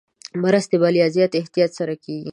مرستې په لا زیات احتیاط سره کېږي.